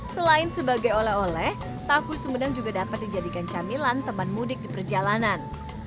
selain sebagai oleh oleh tahu sumedang juga dapat dijadikan camilan teman mudik di perjalanan